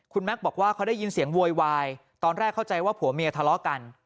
คุณแม็กซ์บอกว่าเขาได้ยินเสียงโวยวายตอนแรกเข้าใจว่าผัวเมียทะเลาะกัน